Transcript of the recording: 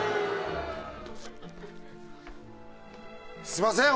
すいません！